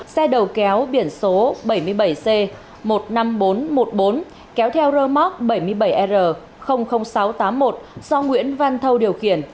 xe đầu kéo biển số bảy mươi bảy c một mươi năm nghìn bốn trăm một mươi bốn kéo theo rơ móc bảy mươi bảy r sáu trăm tám mươi một do nguyễn văn thâu điều khiển